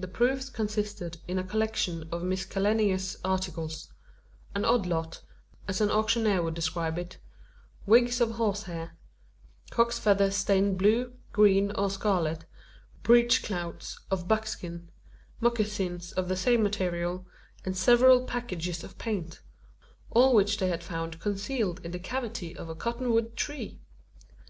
The proofs consisted in a collection of miscellaneous articles an odd lot, as an auctioneer would describe it wigs of horse hair, cocks' feathers stained blue, green, or scarlet, breech clouts of buckskin, mocassins of the same material, and several packages of paint, all which they had found concealed in the cavity of a cottonwood tree!